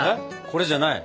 これじゃない？